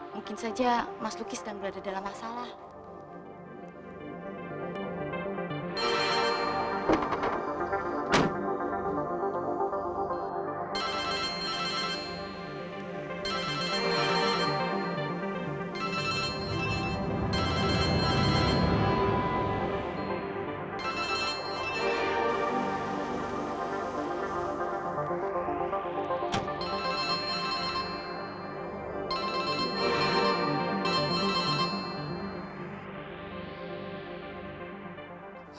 mungkin saja mas lukis sedang berada dalam masalah